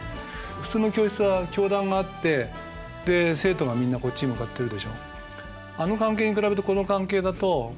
普通の教室は教壇があってで生徒がみんなこっちに向かってるでしょ。